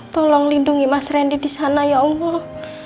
tolong lindungi mas randy disana ya allah